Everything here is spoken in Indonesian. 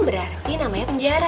berarti namanya penjara